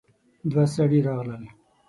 دوه سړي راغلل.